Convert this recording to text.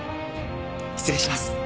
失礼します。